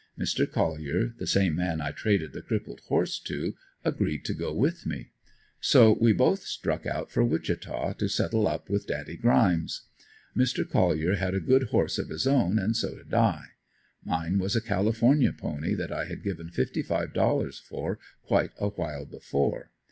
Mr. Collier, the same man I traded the crippled horse to agreed to go with me. So we both struck out for Wichita to settle up with daddy Grimes. Mr. Collier had a good horse of his own and so did I; mine was a California pony that I had given fifty five dollars for quite awhile before.